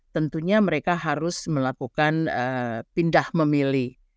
tentunya mereka harus melakukan pindah memilih